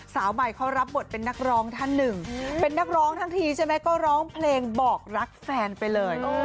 สาวใหม่เขารับบทเป็นนักร้องท่านหนึ่งเป็นนักร้องทั้งทีใช่ไหมก็ร้องเพลงบอกรักแฟนไปเลย